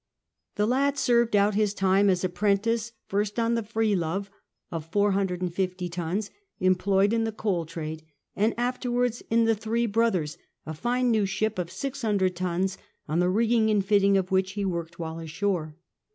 The lad served out his time as apprentice firet on the Freelove^ of 450 tons, employed in the coal trade ; and afterwards in the Three Brotftet's, a fine new ship of 600 tons, on the rigging and fitting of which he worked while ashore.